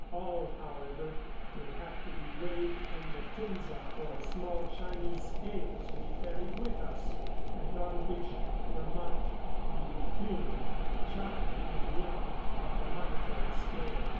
All, however, would have to be weighed in the tinza, or small Chinese scales we carried with us, and on which were marked the fun, tchan, and Hang of the monetary scale.